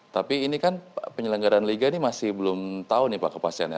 tapi ini kan penyelenggaran liga ini masih belum tahu nih pak kepastiannya